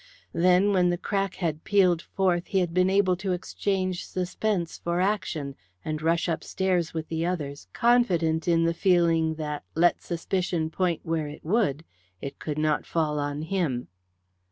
Then, when the crack had pealed forth, he had been able to exchange suspense for action, and rush upstairs with the others, confident in the feeling that, let suspicion point where it would, it could not fall on him.